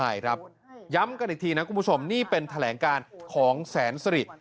ใช่ครับย้ำกันอีกทีนะคุณผู้ชมนี่เป็นแถลงการของแสนสริ